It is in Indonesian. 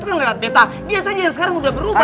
kan lewat peta biasanya sekarang udah berubah